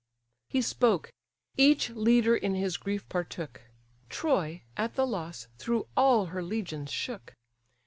He spoke: each leader in his grief partook: Troy, at the loss, through all her legions shook.